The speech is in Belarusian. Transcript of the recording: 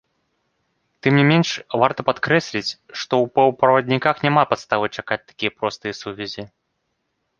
Тым не менш, варта падкрэсліць, што ў паўправадніках няма падставы чакаць такія простыя сувязі.